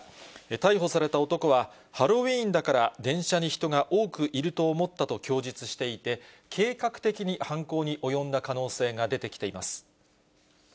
逮捕された男は、ハロウィーンだから電車に人が多くいると思ったと供述していて、計画的に犯行に及んだ可能性が出てきています。